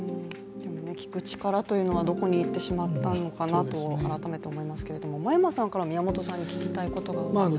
聞く力というのはどこに行ってしまったのかと改めて思いますけど真山さんから宮本さんに聞きたいことはありますか？